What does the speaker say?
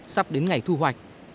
sắp đến ngày thu hoạch